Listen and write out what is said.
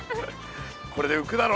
これでうくだろ。